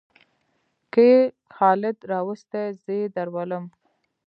کې خالد راوستى؛ زې درولم.